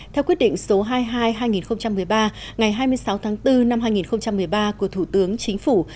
theo quyết định số hai mươi hai hai nghìn một mươi ba ngày hai mươi sáu tháng bốn năm hai nghìn một mươi ba của thủ tướng chính phủ